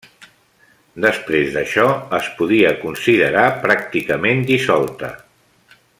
Després d'això es podia considerar pràcticament dissolta.